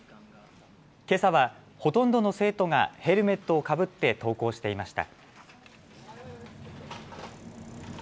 けさはほとんどの生徒がヘルメットをかぶって登校していました。